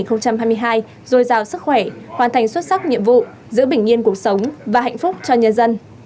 dồi dào sức khỏe hoàn thành xuất sắc nhiệm vụ giữ bình yên cuộc sống và hạnh phúc cho nhân dân